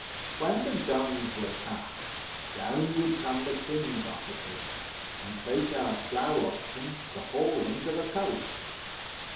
When the guns were cast, down would come the King's Officers, and take our plough oxen to haul them to the coast.